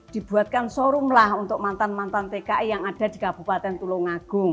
dibuatkan showroom lah untuk mantan mantan tki yang ada di kabupaten